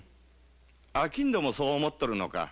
あきんどもそう思っとるのか？